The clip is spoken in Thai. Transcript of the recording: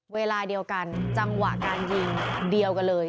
เวลาเดียวกันจังหวะการยิงเดียวกันเลย